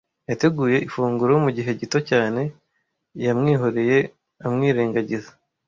Yateguye ifunguro mugihe gito cyane. Yamwihoreye amwirengagiza.